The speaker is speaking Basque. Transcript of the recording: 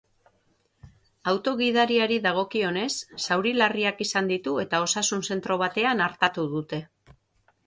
Auto-gidariari dagokionez, zauri larriak izan ditu eta osasun zentro batean artatu dute.